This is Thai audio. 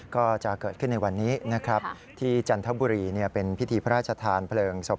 ก็จะเกิดขึ้นในวันนี้ที่จันทบุรีเป็นพิธีพระราชธานพลเริงสบ